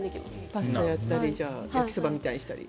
パスタをやったり焼きそばみたいにしたり。